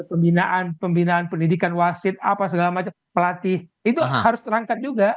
pembinaan pembinaan pendidikan wasit apa segala macam pelatih itu harus terangkat juga